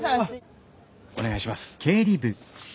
お願いします。